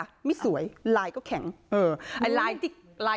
ค่ะไม่สวยลายก็แข็งเอออันลาย